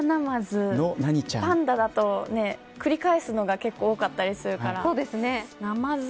パンダだと繰り返すのが結構、多かったりするからナマズ